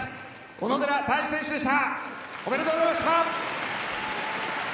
小野寺太志選手でした。